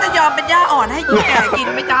ยอมเป็นย่าอ่อนให้กินแก่กินไหมจ๊